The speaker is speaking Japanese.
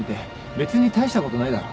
別に大したことないだろ。